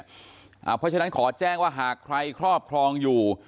เพราะฉะนั้นขอแจ้งว่าหากใครครอบครองอยู่